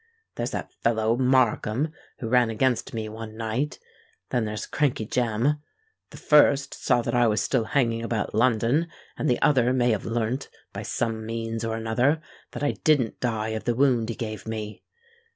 There's that fellow Markham who ran against me one night;—then there's Crankey Jem. The first saw that I was still hanging about London; and the other may have learnt, by some means or another, that I didn't die of the wound he gave me.